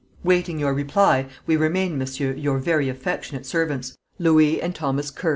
Waiting your reply, we remain, monsieur, your very affectionate servants, "Louis and Thomas Quer.